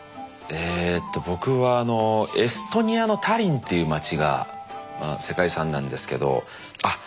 えと僕はあのエストニアのタリンっていう街が世界遺産なんですけどあっ！